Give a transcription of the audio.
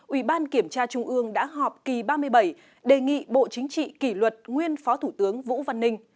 ủy ban kiểm tra trung ương đã họp kỳ ba mươi bảy đề nghị bộ chính trị kỷ luật nguyên phó thủ tướng vũ văn ninh